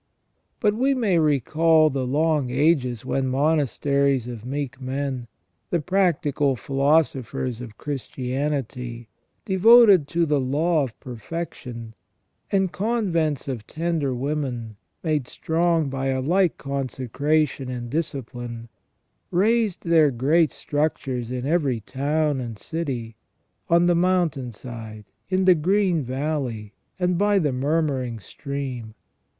But we may recall the long ages when monasteries of meek men, the practical philosophers of Christianity, devoted to the law of perfection, and convents of tender women, made strong by a like consecration and discipline, raised their great structures in every town and city ; on the mountain side, in the green valley, and by the murmuring stream.